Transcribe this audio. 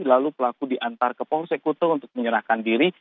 lalu pelaku diantar ke polsekutu untuk menyerahkan diri